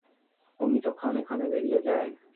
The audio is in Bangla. অমিত ক্ষণে ক্ষণে বেরিয়ে যায়।